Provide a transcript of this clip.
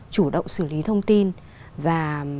chủ động xử lý thông tin và